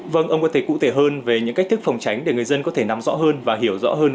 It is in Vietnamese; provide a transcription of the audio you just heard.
vâng ông có thể cụ thể hơn về những cách thức phòng tránh để người dân có thể nắm rõ hơn và hiểu rõ hơn